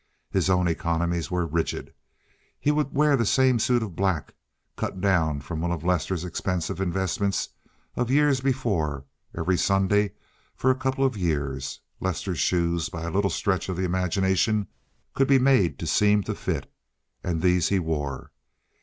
His own economies were rigid. He would wear the same suit of black—cut down from one of Lester's expensive investments of years before—every Sunday for a couple of years. Lester's shoes, by a little stretch of the imagination, could be made to seem to fit, and these he wore.